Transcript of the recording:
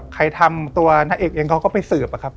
ใครทำตัวน้าเอี๊ยงเขาก็ไปสืบ